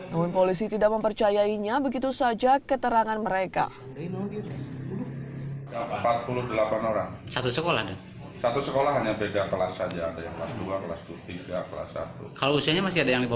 namun polisi tidak mempercayainya begitu saja keterangan mereka